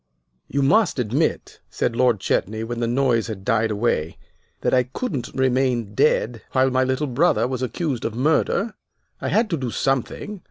"You must admit," said Lord Chetney, when the noise had died away, "that I couldn't remain dead while my little brother was accused of murder. I had to do something.